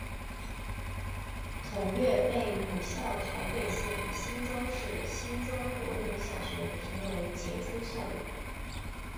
同月被母校台北县新庄市新庄国民小学评为杰出校友。